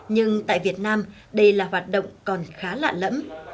nhưng tại việt nam đây là hoạt động còn khá lạ lẫm